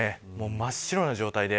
真っ白な状態で。